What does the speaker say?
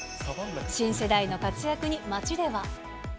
新世代の活躍に街では。